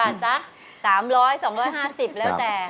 ๓๐๐๒๕๐แล้วแต่